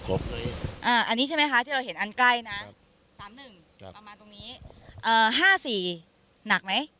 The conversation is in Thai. อ่าอันนี้ใช่ไหมคะที่เราเห็นอันใกล้นะครับสามหนึ่งครับประมาณตรงนี้เอ่อห้าสี่หนักไหม